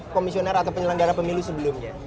komisioner atau penyelenggara pemilu sebelumnya